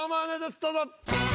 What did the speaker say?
どうぞ。